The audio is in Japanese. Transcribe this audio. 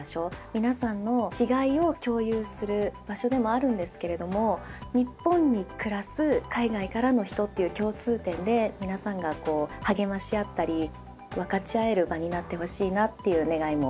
皆さんの違いを共有する場所でもあるんですけれども日本に暮らす海外からの人という共通点で皆さんがこう励まし合ったり分かち合える場になってほしいなという願いもありました。